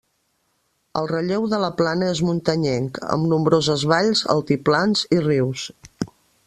El relleu de la plana és muntanyenc, amb nombroses valls, altiplans i rius.